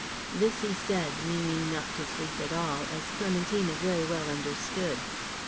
This he said, meaning not to sleep at all, as Clementina very well understood.